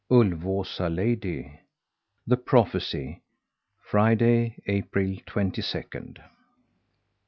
ULVÅSA LADY THE PROPHECY Friday, April twenty second.